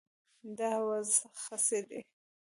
دا وز خسي دی